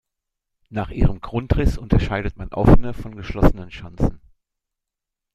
Nach ihrem Grundriss unterscheidet man "offene" von "geschlossenen Schanzen".